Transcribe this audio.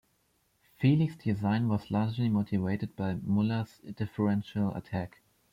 Phelix's design was largely motivated by Muller's differential attack.